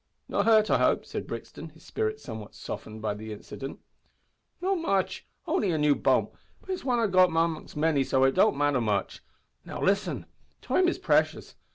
"Not hurt, I hope," said Brixton, his spirit somewhat softened by the incident. "Not much only a new bump but it's wan among many, so it don't matter. Now, listen. Time is precious.